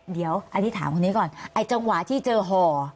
เดี๋ยวอันนี้ถามคนนี้ก่อนไอ้จังหวะที่เจอห่อ